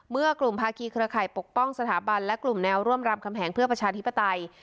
เมื่อกลุ่มภาคีเครือข่ายปกป้องสถาบันและกลุ่มแนวร่วมรำคำแหงเพื่อประชาธิปไตย